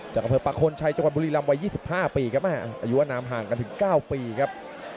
อำเภอประโคนชัยจังหวัดบุรีรำวัย๒๕ปีครับอายุว่าน้ำห่างกันถึง๙ปีครับ